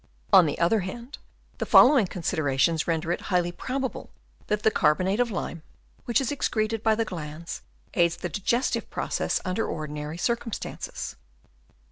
On the other hand, the following considera tions render it highly probable that the carbonate of lime, which is excreted by the glands, aids the digestive process under ordinary circumstances.